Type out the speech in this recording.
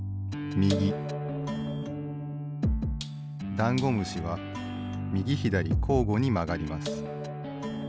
ダンゴムシはみぎひだりこうごにまがります。